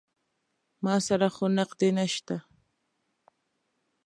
ما سره خو نقدې نه شته.